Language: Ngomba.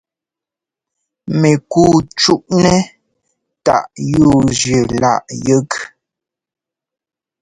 Mɛkúu cúꞌnɛ́ táꞌ yúujʉ́ láꞌ yɛ́k.